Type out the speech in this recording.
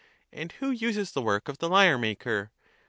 And who uses the work of the lyre maker?